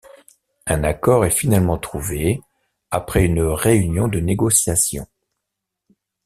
Un accord est finalement trouvé après une réunion de négociation.